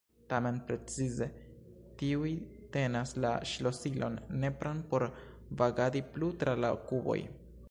Tamen precize tiuj tenas la ŝlosilon nepran por vagadi plu tra la kuboj.